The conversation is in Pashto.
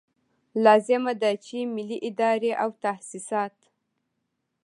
لازمه ده چې ملي ادارې او تاسیسات.